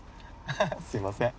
すいません